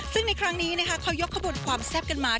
ซึ่งในครั้งนี้นะคะเขายกขบวนความแซ่บกันมา